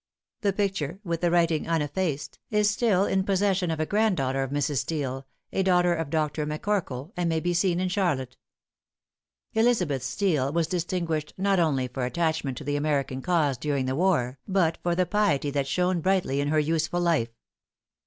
The picture, with the writing uneffaced, is still in possession of a granddaughter of Mrs. Steele, a daughter of Dr. McCorkle, and may be seen in Charlotte. Elizabeth Steele was distinguished not only for attachment to the American cause during the war, but for the piety that shone brightly in her useful life.